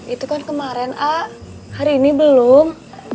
itu kan kemarin a hari ini belum